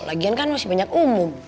lagian kan masih banyak umum